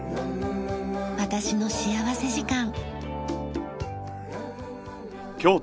『私の幸福時間』。